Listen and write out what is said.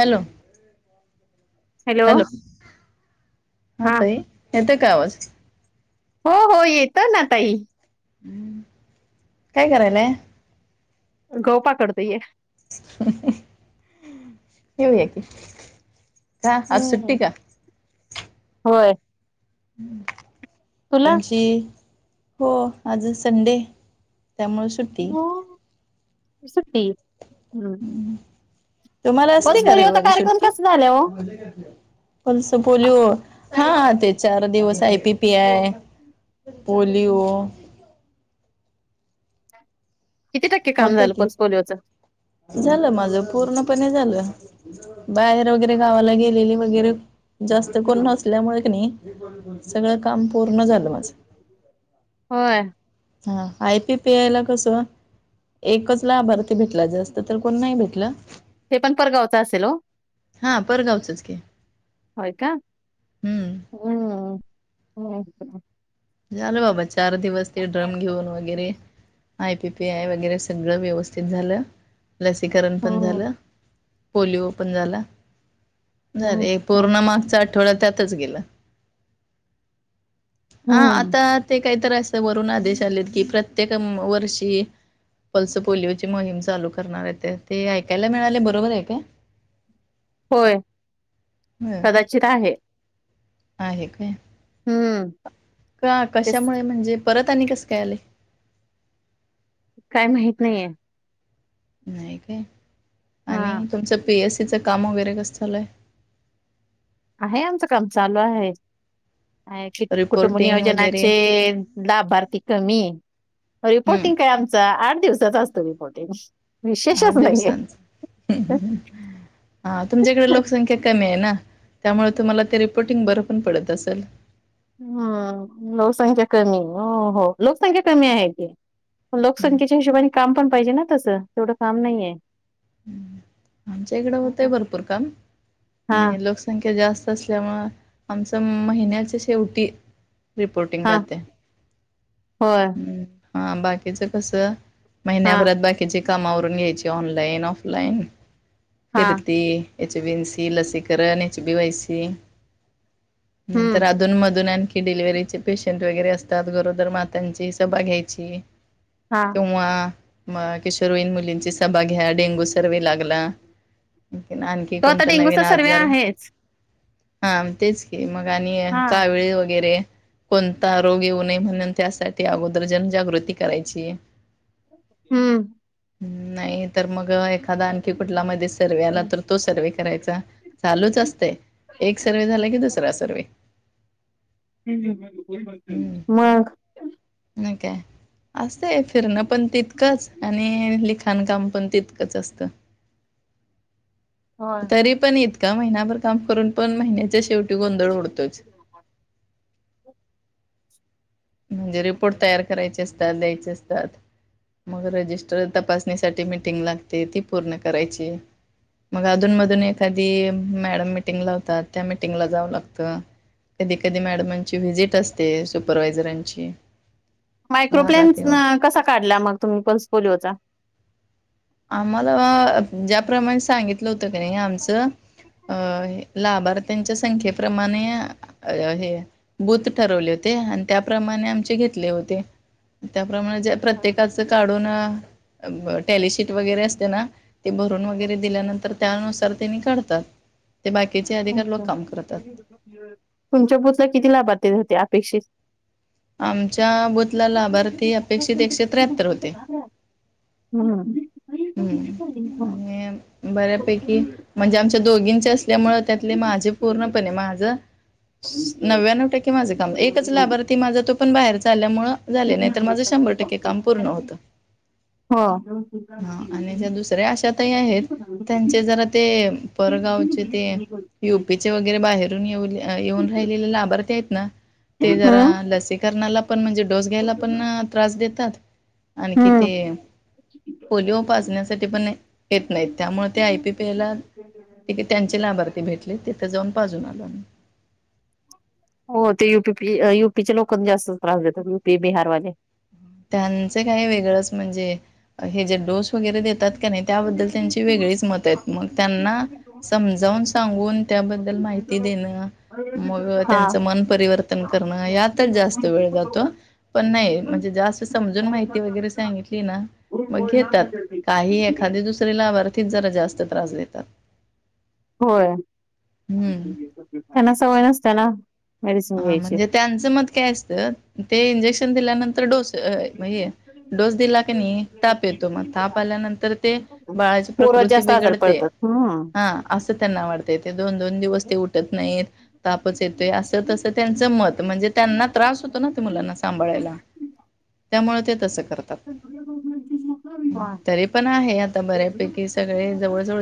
Hello, hello हा ताई येतो, काय आवाज. हो हो येत ना ताई. हम्म काय करालाय. गहु पाकडते या. येऊया की, का आज सुट्टी हम्म का? होय. तुला तुमची हो, आज संडे त्यामुळे सुट्टी. सुट्टी हम्म. तुम्हाला असते पल्स का पोलिओचा रविवारी कार्यक्रम सुट्टी. कसा झाला ओ? प्लस पोलिओ, हा ते चार दिवस I P P I. Polio. किती टक्के काम होत झालं की, पल्स पोलिओच? झालं माझ पूर्णपणे झालं. बाहेर वगैरे, गावाला गेलेली वगैरे. जास्त कोण नसल्यामुळे कणी, सगळं काम पूर्ण झालं माझं. होय. हा आय पी पी आय ला कसं, एकच लाभार्थी भेटला, जास्त तर कोण नाही भेटल. हे पण परगावच असेल हो. हा परगावचच की होय का, हम्म हम्म हम् झालं बाबा चार दिवस. ते ड्रम घेऊन वगैरे, आय पी पी आय वगैरे, सगळं व्यवस्थित झालं लसीकरण पण हम्म झालं. पोलिओ पण झाला, हम्म झाले पुर्ण मागचा आठ थोड त्यातच गेलं, हा हम्म. आता ते काय तरी असं वरूनआदेश आलेत की, प्रत्येका वर्षी पल्स पोलिओची मोहीम चालू करणार आहे ते, ते ऐकायला मिळाले बरोबर आहे का? होय, कदाचित आहे. आहे काय, हम्म का तेच कशामुळे म्हणजे, परत आणि कस काय आले. काय माहित नाहीये. नाही काय, हा आणि तुमच पी एस. तिचं काम वगैरे कसं चालूय. हाय आमचं काम चालू आहेत. आणि कित कुटुंब रिपोर्टिंग वगैरे नियोजनाचे लाभार्थी कमी रिपोर्टिंग काय हम्म आमचा, आठ दिवसाचा असतो रिपोर्टिंग आठ विशेषच नाहीये दिवसांच, हा तुमच्याकडे लोकसंख्या कमी आहे ना त्यामुळे तुम्हाला ते रिपोर्टिंग बरं पण पडत असल. हा लोकसंख्या कमी आय ना हो लोकसंख्या कमी आहे की लोकसंख्येच्या हिशोबाने काम पण पाहिजे ना तसं तेवढं काम नाहीये. आमच्या इकडं होतय हम्म. भरपूर काम हा आणि लोकसंख्या जास तसल्यामुळ आमच महिन्याच शेवटी रिपोर्टिंग हा राहतय. होय. हा बाकीच कस हा महिन्याभरात बाकीचे कामावरून घ्यायची, ऑनलाईन, ऑफलाईन हा फिरती एच बी एन सी, लसीकरण, एच बी वाय सी हम्म नंतर अधूनमधून आन की डिलिव्हरीचे पेशंट वगैरे असतात, गरोदर माता ह्यांची सभा घ्यायची. हा केव्वा म किशोरयीन मुलींची सभा घ्या, डेंगू सर्वे लागला. [unintelligible] आणखी तो आता कोणत नवीन डेंग्यूचा सर्वे आजार? आहेच हाम तेच की मग आणि हा कावीळ वगैरे कोणता रोग येऊ नये म्हणून त्यासाठी अगोदर जनजागृती करायची. हम्म. हम्म नाही तर मग [unintelligible] एखादा आणखी कुठलामध्ये सर्व्हे आला तर तो सर्व्हे करायचा चालूच असतय. एक सर्वे झाला की दुसरा सर्वे [unintelligible] मग अ काय असतय फिरणं पण तितकंच आणि लिखाण काम पण तितकंच असतं. होय तरी पण इतका महिनाभर काम करून पण महिन्याच्या शेव त्यो गोंधळ उडतोयच म्हणजे रिपोर्ट तयार करायचे असतात, द्यायचे असतात. मग रजिस्टर तपासणीसाठी मिटिंग लागते ती पूर्ण करायची. मग अधून मधून एखादी मॅडम मिटिंग ला होतात, त्या मिटिंगला जाव लागत. कधी कधी मॅडमांची व्हिजिट असते सुपरवायझरांची भागात मायक्रोप्लेनस् येऊन. न कसा काढला मग तुम्ही पल्स पोलिओचा? आम्हाला अ ज्याप्रमाणे सांगितलं होतं क नई आमचं अ लाभार्थ्यांच्या संख्येप्रमाणे अ हे बूथ ठरवले होते आणि त्याप्रमा आणि आमचे घेतले ओ ते [unintelligible] प्रमाणे ज्या प्रत्येकाचं काढून अ ब टॅलीशीट वगैरे असते ना ते भरून वगैरे दिल्यानंतर त्यानुसार त्यानी काढतात. ते [unintelligible] बाकीचे अधिकार लोक काम करतात. तुमच्या बुतला किती लाभार्थी होते अपेक्षित? आमच्या बूथला लाभार्थी अपेक्षित एकशे त्र्याहत्तर होते. हम्म. हम्म आणि बऱ्यापैकी म्हणजे आमच्या दोघींचे अस ल्यामुळ त्यातले माझे पूर्णपणे माझं नव्याण्णव टक्के माझं काम, एकच लाभार्थी माझा तो पण बाहेरचा आल्यामुळं झाले नाही तर माझं शंभर टक्के काम पूर्ण होत. हो हा आणि ज्या दुसऱ्या आशा ताई आहेत. त्यांचे जरा ते परगावचे ते युपी चे वगैरे बाहेरून येऊल येऊन राहिलेले लाभार्थी आहेत ना ते जरा हम्म लसीकरणाला पण म्हणजे डोस घ्यायला पण त्रास देतात. आणखी हम्म. ते पोलिओ पाजण्यासाठी पण येत नाही त्यामुळे आयपीपी एला ठीके त्यांचे लाभार्थी भेटले तिथे जाऊन पाजून आलो. हो ते यपी युपीच्या लोकां जास्त त्रास देतात युपी बिहारवाले. त्यांच काही वेगळंच म्हणजे हे जे डोस वगैरे देतात. नाही त्याबद्दल त्यांची वेगळीच मत आहेत मग, त्यांना समजावून सांगून त्याबद्दल माहिती कती दे ना. मग हा त्यांच मन परिवर्तन करणं यात जास्त वेळ जातो पण नाही म्हणजे जास्त, समजून माहिती वगैरे सांगितले ना, पण घेतात काही खादीे दुसर लाभार्थीक जरा जास्त त्रास देतात. होय हम्म त्यांना सवय नसते ना! मेडिसिन हा घ्यायची म्हणजे त्यांचं मत काय असतं ते इंजेक्शन दिल्यानंतर डोस, अ म हे डोस दिला क नाही ताप येतो मग ताप आल्यानंतर ते बाळाची प्र पोर प्रकृती जास्त आजारी बिघडते पडतात हम्म हा असं त्यांना वाटते ते दोन दोन दिवस ते उठत नाही. तापच येतोय अस तसं, त्यांच मत म्हणजे त्यांना त्रास होतो ना ते मुलांना सांभाळायला त्यामुळे ते तसं, तरी पण आहे आता बऱ्यापैकी सगळे जवळजवळ